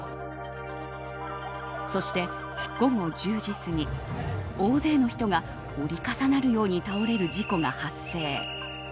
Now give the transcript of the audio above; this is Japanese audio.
そして午後１０時過ぎ大勢の人が折り重なるように倒れる事故が発生。